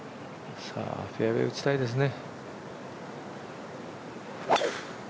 フェアウエー打ちたいですね。